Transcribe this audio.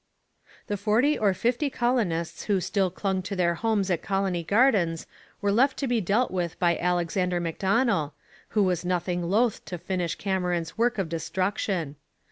The forty or fifty colonists who still clung to their homes at Colony Gardens were left to be dealt with by Alexander Macdonell, who was nothing loath to finish Cameron's work of destruction.